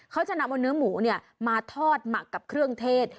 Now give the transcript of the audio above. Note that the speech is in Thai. เขาจะนำเอาเนื้อหมูมาทอดหมักกับเครื่องเทศ